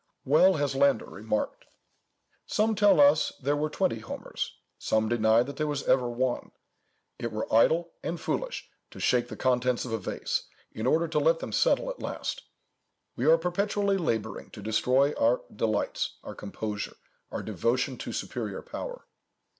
Well has Landor remarked: "Some tell us there were twenty Homers; some deny that there was ever one. It were idle and foolish to shake the contents of a vase, in order to let them settle at last. We are perpetually labouring to destroy our delights, our composure, our devotion to superior power.